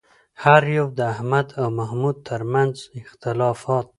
هر یو د احمد او محمود ترمنځ اختلافات